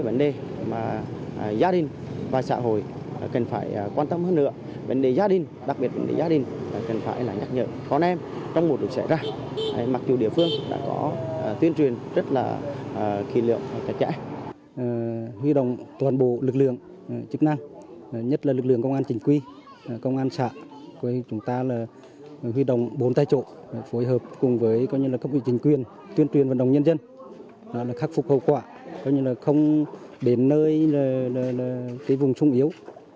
nhân dân khắc phục hậu quả không biển nơi vùng sông yếu